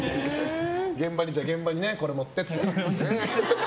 じゃあ現場にこれ持ってってね。